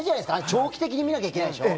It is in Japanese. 長期的に見なきゃいけないでしょ。